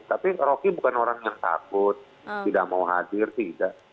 tapi rocky bukan orang yang takut tidak mau hadir tidak